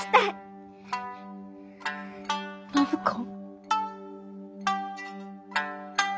暢子。